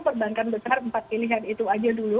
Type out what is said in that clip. perbankan besar empat pilihan itu aja dulu